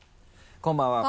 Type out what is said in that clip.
こんばんは。